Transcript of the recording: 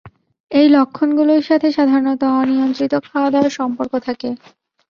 এই লক্ষণগুলোর সাথে সাধারণত অনিয়ন্ত্রিত খাওয়াদাওয়ার সম্পর্ক থাকে।